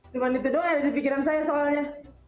cuma itu doang yang ada di pikiran saya soalnya